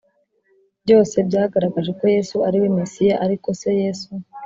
Byose byagaragaje ko yesu ari we mesiya ariko se yesu